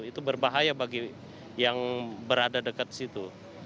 itu berbahaya bagi yang berada dekat situ